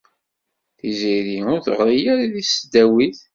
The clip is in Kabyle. Tiziri ur teɣri ara deg tesdawit.